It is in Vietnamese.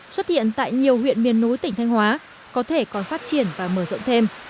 xuất hiện tại nhiều huyện miền núi tỉnh thanh hóa có thể còn phát triển và mở rộng thêm